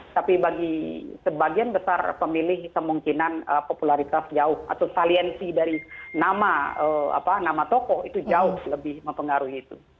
tapi bagi sebagian besar pemilih kemungkinan popularitas jauh atau saliensi dari nama tokoh itu jauh lebih mempengaruhi itu